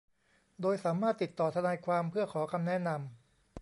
โดยสามารถติดต่อทนายความเพื่อขอคำแนะนำ